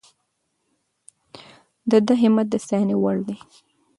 د ده همت د ستاینې وړ دی.